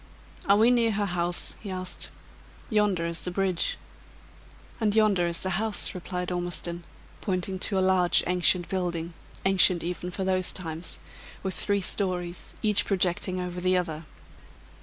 "Are we near her house?" he asked. "Yonder is the bridge." "And yonder is the house," replied Ormiston, pointing to a large ancient building ancient even for those times with three stories, each projecting over the other.